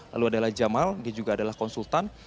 lalu adalah jamal dia juga adalah konsultan